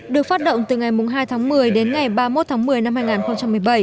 được phát động từ ngày hai tháng một mươi đến ngày ba mươi một tháng một mươi năm hai nghìn một mươi bảy